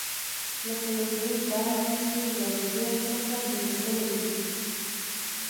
لکه يو دروند بار مې چې له اوږو څخه لرې سوى وي.